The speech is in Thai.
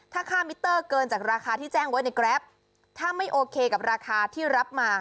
ถ้าค่ามิเตอร์เกินจากราคาที่แจ้งไว้ในแกรปถ้าไม่โอเคกับราคาที่รับมา